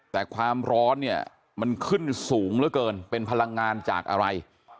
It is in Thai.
แต่ความร้อนเนี่ยมันขึ้นสูงเหลือเกินเป็นพลังงานจากอะไร